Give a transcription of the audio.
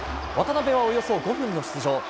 渡邊はおよそ５分の出場。